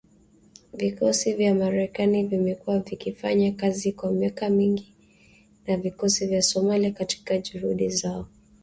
Vikosi vya Marekani vimekuwa vikifanya kazi kwa miaka mingi na vikosi vya Somalia katika juhudi zao